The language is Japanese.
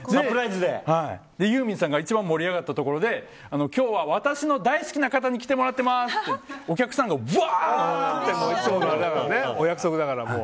ユーミンさんが一番盛り上がったところで今日は私の大好きな方に来てもらってますってお約束だから。